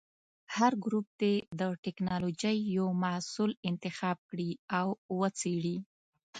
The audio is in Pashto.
هر ګروپ دې د ټېکنالوجۍ یو محصول انتخاب کړي او وڅېړي.